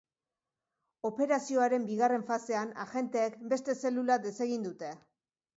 Operazioaren bigarren fasean, agenteek beste zelula desegin dute.